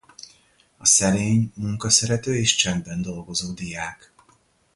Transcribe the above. A szerény, munkaszerető és csendben dolgozó diák.